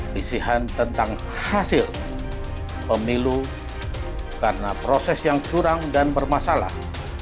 bisihan tentang hasil pemilu karena proses yang curang dan bermasalah